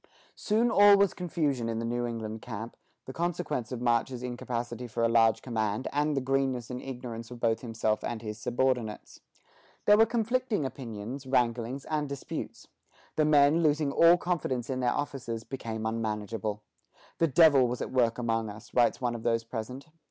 Soon all was confusion in the New England camp, the consequence of March's incapacity for a large command, and the greenness and ignorance of both himself and his subordinates. There were conflicting opinions, wranglings, and disputes. The men, losing all confidence in their officers, became unmanageable. "The devil was at work among us," writes one of those present.